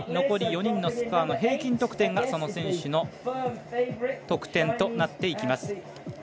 残り４人のスコアの平均得点がその選手の得点となっていきます。